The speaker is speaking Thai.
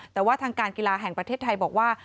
แต่ว่าทางการกีฬาแห่งประเทศไทยบอกว่า